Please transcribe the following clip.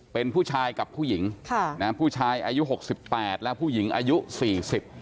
เป็นผู้ชายกับผู้หญิงค่ะนะฮะผู้ชายอายุหกสิบแปดและผู้หญิงอายุสี่สิบ